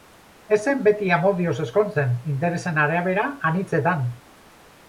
Ez zen beti amodioz ezkontzen, interesen arabera anitzetan!